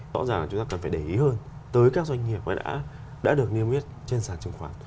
rõ ràng là chúng ta cần phải để ý hơn tới các doanh nghiệp mà đã được niêm yết trên sàn chứng khoán